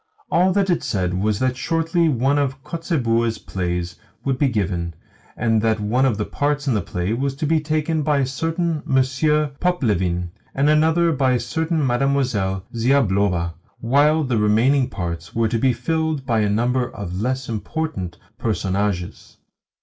All that it said was that shortly one of Kotzebue's plays would be given, and that one of the parts in the play was to be taken by a certain Monsieur Poplevin, and another by a certain Mademoiselle Ziablova, while the remaining parts were to be filled by a number of less important personages.